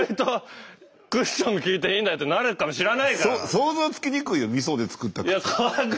想像つきにくいよみそで作った靴。